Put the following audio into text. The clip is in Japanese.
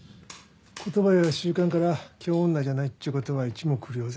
言葉や習慣から京女じゃないっちゅうことは一目瞭然。